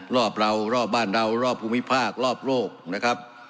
รอบเรารอบบ้านเรารอบภูมิภาครอบโลกนะครับ